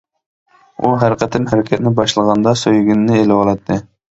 ئۇ ھەر قېتىم ھەرىكەتنى باشلىغاندا سۆيگىنىنى ئېلىۋالاتتى.